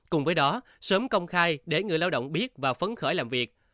cùng với đó sớm công khai để người lao động biết và phấn khởi làm việc